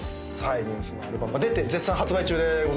ＮＥＷＳのアルバムが絶賛発売中でございます。